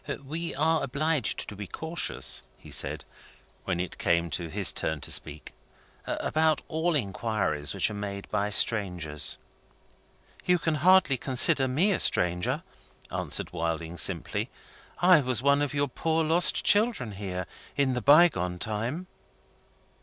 "We are obliged to be cautious," he said, when it came to his turn to speak, "about all inquiries which are made by strangers." "You can hardly consider me a stranger," answered Wilding, simply. "I was one of your poor lost children here, in the bygone time."